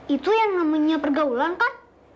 itu yang namanya pergaulan kan